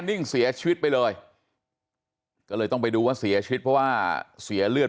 นิ่งเสียชีวิตไปเลยก็เลยต้องไปดูว่าเสียชีวิตเพราะว่าเสียเลือด